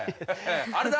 あれだ。